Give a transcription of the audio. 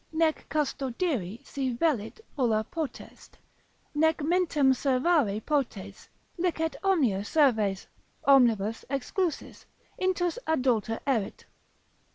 Nec custodiri si velit ulla potest; Nec mentem servare potes, licet omnia serves; Omnibus exclusis, intus adulter erit.